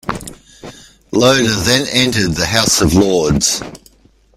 Loder then entered the House of Lords.